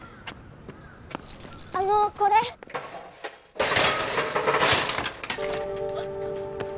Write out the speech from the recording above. あのこれあっ！